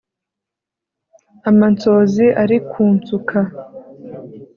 amansozi ari kuntsuka